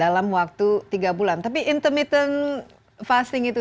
lebih dari tiga puluh kilo